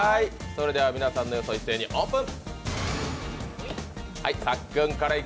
それでは皆さんの予想、一斉にオープン。